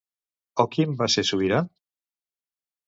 Òquim va ser sobirà?